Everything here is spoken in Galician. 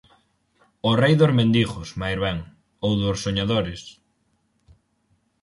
O rei dos mendigos, máis ben, ou dos soñadores...